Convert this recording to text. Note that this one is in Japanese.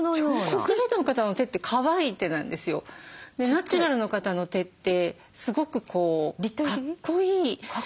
ナチュラルの方の手ってすごくかっこいい。